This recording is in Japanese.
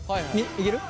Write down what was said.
いける？